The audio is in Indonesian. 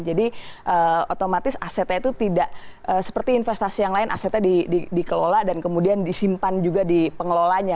jadi otomatis asetnya itu tidak seperti investasi yang lain asetnya dikelola dan kemudian disimpan juga di pengelolanya